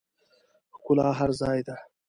ښکلا هر ځای ده